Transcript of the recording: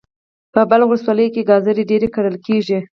په بلخ ولسوالی کی ګازر ډیر کرل کیږي.